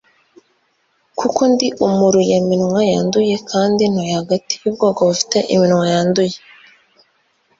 Kuko ndi umuruyaminwa yanduye kandi ntuye hagati y'ubwoko bufite iminwa yanduye,